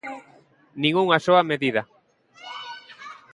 Nin unha soa medida.